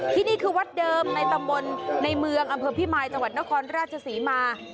ที่นี่คือวัดเดิมในตำบลในเมืองอำเภอพิมายจังหวัดนครราชศรีมา